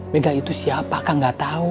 begal itu siapa akang gak tau